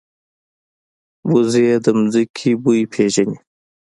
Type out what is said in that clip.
وزې د ځمکې بوی پېژني